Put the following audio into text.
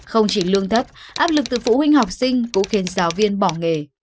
không chỉ lương thấp áp lực từ phụ huynh học sinh cũng khiến giáo viên bỏ nghề